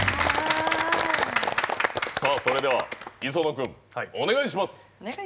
それでは、磯野くんお願いします！